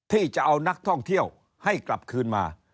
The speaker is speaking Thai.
ที่จะเอานักท่องเที่ยวให้กลับคืนมา